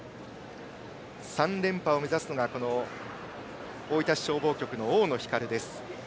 ３連覇を目指すのが大分市消防局の大野ひかる。